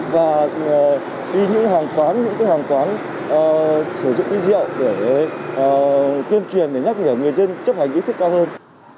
và đi những hàng quán sử dụng rượu để tuyên truyền để nhắc người dân chấp hành ý thức cao hơn